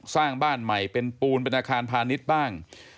สร้างบ้านใหม่เป็นปูนเป็นอาคารพาณิชย์บ้าง